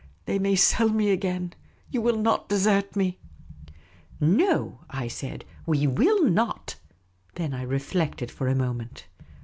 They may sell me again. You will not desert me ?"" No," I said. " We will not." Then I reflected for a moment.